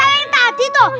dua orang yang tadi tuh